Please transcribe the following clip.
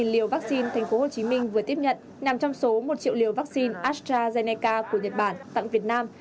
tám trăm linh liều vắc xin tp hcm vừa tiếp nhận nằm trong số một triệu liều vắc xin astrazeneca của nhật bản tặng việt nam